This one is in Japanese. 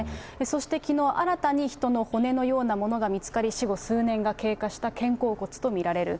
そしてきのう、新たに人の骨のようなものが見つかり、死後数年が経過した肩甲骨と見られる。